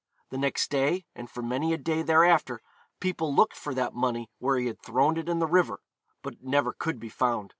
The next day, and for many a day thereafter, people looked for that money where he had thrown it in the river, but it never could be found.